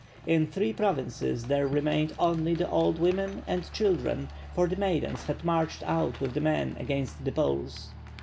In three provinces there remained only the old wo men and children, for the maidens had marched out with the men against the polei.